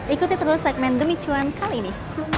ikuti terus segmen demi cuan kali ini